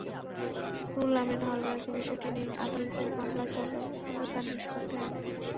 রুহুল আমিন হাওলাদারের বিষয়টি নিয়ে আদালতে মামলা চললেও এখনো তার নিষ্পত্তি হয়নি।